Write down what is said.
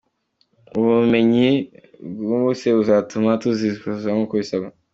Ubumenyi twungutse buzatuma tuzisohoza nk’uko bisabwa."